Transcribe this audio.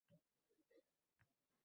Ba'zan biz ular qatorida turamiz